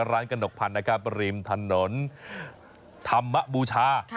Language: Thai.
กระหนกพันธ์นะครับริมถนนธรรมบูชา